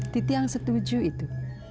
tiang setuju itu